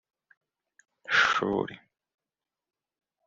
shuri